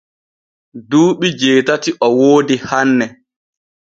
Duuɓi jeetati o woodi hanne.